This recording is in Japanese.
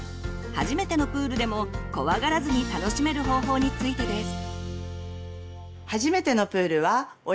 初めてのプールでも怖がらずに楽しめる方法についてです。